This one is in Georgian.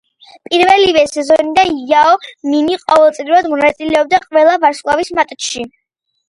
პირველივე სეზონიდან იაო მინი ყოველწლიურად მონაწილეობდა ყველა ვარსკვლავის მატჩში.